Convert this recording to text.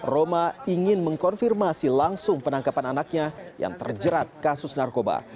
roma ingin mengkonfirmasi langsung penangkapan anaknya yang terjerat kasus narkoba